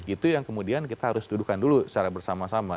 itu yang kemudian kita harus dudukkan dulu secara bersama sama